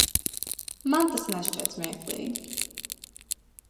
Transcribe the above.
Man tas nešķiet smieklīgi.